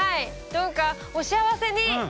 どうかお幸せに。